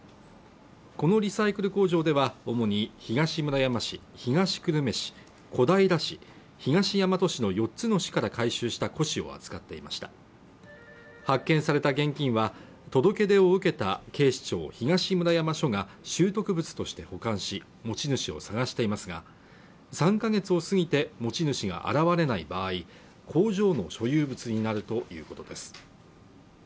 このリサイクル工場では主に東村山市、東久留米市小平市、東大和市の４つの市から回収した古紙を扱っていました発見された現金は届け出を受けた警視庁東村山署が拾得物として保管し持ち主を捜していますが３か月を過ぎて持ち主が現れない場合工場の所有物になるということです